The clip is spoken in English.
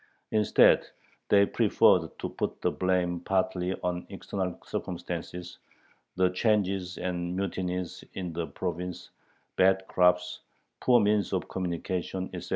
Instead they preferred to put the blame partly on external circumstances ("the changes and mutinies in the province," bad crops, poor means of communication, etc.)